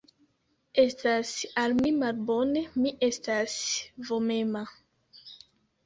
Estas al mi malbone, mi estas vomema.